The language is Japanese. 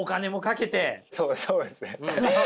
そうそうですね！